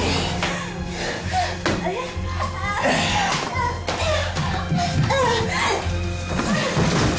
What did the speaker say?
やめてよ。